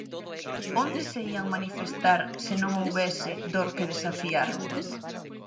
Onde se ían manifestar se non houbese dor que desafiar?